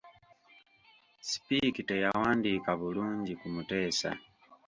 Speke teyawandiika bulungi ku Muteesa.